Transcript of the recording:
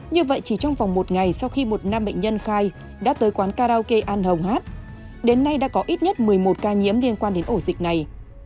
như vậy chỉ trong vòng một ngày sau khi một nam bệnh nhân khai đã tới quán karaoke an hồng hát đến nay đã có ít nhất một mươi một ca nhiễm liên quan đến ổ dịch này